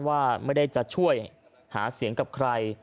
ว่าไม่ได้จะช่วยหาเสียงกับใคร